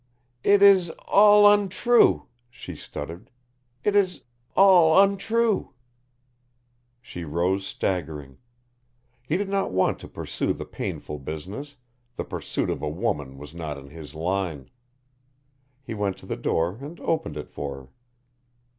"It is all untrue," she stuttered. "It is all untrue." She rose staggering. He did not want to pursue the painful business, the pursuit of a woman was not in his line. He went to the door and opened it for her.